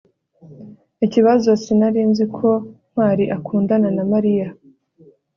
ikibazo sinari nzi ko ntwali akundana na mariya